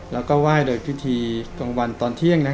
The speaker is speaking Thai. แล้วก็ไหว้โดยพิธีกลางวันตอนเที่ยง